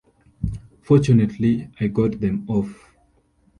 Fortunately, I got them off.